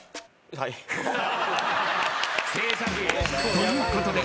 ［ということで］